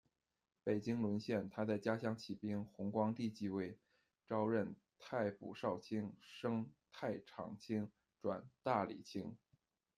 北京沦陷，他在家乡起兵；弘光帝继位，召任太仆少卿，升太常卿，转大理卿。